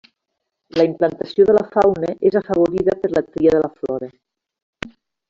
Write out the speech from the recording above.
La implantació de la fauna és afavorida per la tria de la flora.